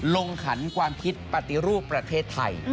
ขันความคิดปฏิรูปประเทศไทย